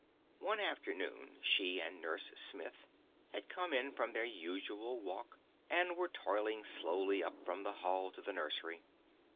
One afternoon she and Nurse Smith had come in from their usual walk, and were toiling slowly up from the hall to the nursery.